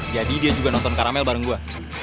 jadi dia juga nonton karamel bareng gue